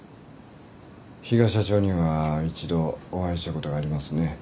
比嘉社長には一度お会いしたことがありますね。